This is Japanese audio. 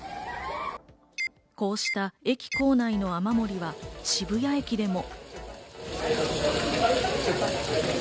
こうした駅構内の雨漏りは渋谷駅でも。